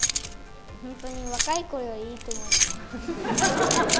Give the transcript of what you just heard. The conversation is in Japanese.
本当に若いころよりいいと思います。